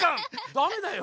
ダメだよ。